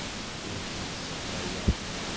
Ur tent-sseɣmayeɣ.